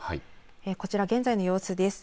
こちら、現在の様子です。